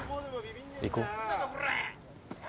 行こう。